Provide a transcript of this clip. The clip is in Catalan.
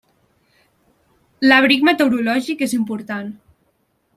L'abric meteorològic és important.